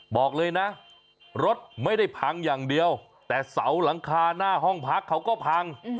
บอกเลยนะรถไม่ได้พังอย่างเดียวแต่เสาหลังคาหน้าห้องพักเขาก็พัง